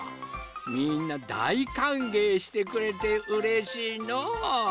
みんなだいかんげいしてくれてうれしいのう。